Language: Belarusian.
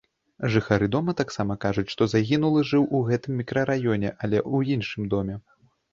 Жыхары дома таксама кажуць, што загінулы жыў у гэтым мікрараёне, але ў іншым доме.